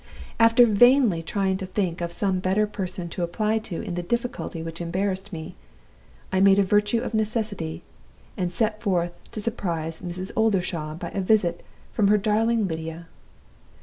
"After vainly trying to think of some better person to apply to in the difficulty which embarrassed me, I made a virtue of necessity, and set forth to surprise Mrs. Oldershaw by a visit from her darling Lydia!